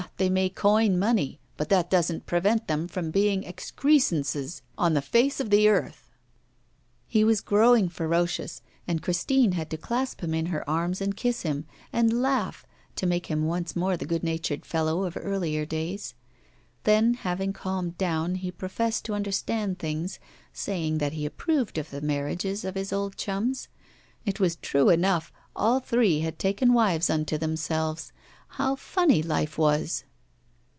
they may coin money, but that doesn't prevent them from being excrescences on the face of the earth!' He was growing ferocious, and Christine had to clasp him in her arms and kiss him, and laugh, to make him once more the good natured fellow of earlier days. Then, having calmed down, he professed to understand things, saying that he approved of the marriages of his old chums. It was true enough, all three had taken wives unto themselves. How funny life was!